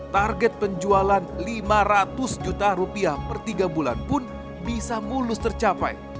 target penjualan lima ratus juta rupiah per tiga bulan pun bisa mulus tercapai